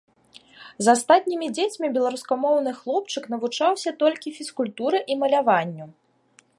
З астатнімі дзецьмі беларускамоўны хлопчык навучаўся толькі фізкультуры і маляванню.